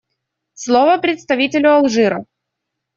Слово представителю Алжира.